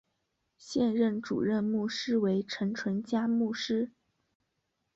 现任主任牧师为陈淳佳牧师。